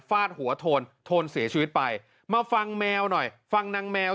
ฟาดหัวโทนโทนเสียชีวิตไปมาฟังแมวหน่อยฟังนางแมว